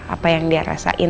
apa yang dia rasain